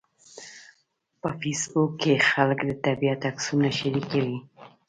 په فېسبوک کې خلک د طبیعت عکسونه شریکوي